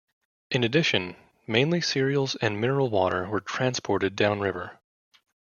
In addition, mainly cereals and mineral water were transported downriver.